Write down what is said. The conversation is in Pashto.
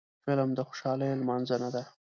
فلم د خوشحالیو لمانځنه ده